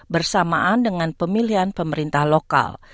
bersamaan dengan pemilihan pemerintah lokal